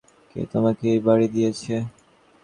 কে তোমাকে এই বাড়ি দিয়েছে?